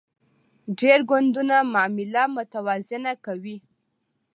ډیر ګوندونه معامله متوازنه کوي